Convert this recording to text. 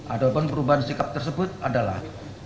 ada pun perubahan sikap tersebut adalah